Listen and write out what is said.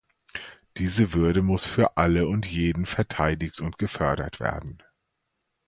Diese Würde muss für alle und jeden verteidigt und gefördert werden.